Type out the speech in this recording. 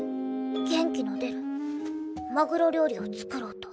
元気の出るマグロ料理を作ろうと。